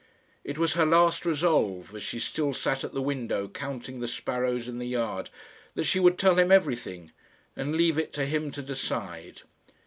It was her last resolve, as she still sat at the window counting the sparrows in the yard, that she would tell him everything, and leave it to him to decide.